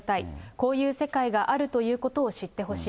こういう世界があるということを知ってほしい。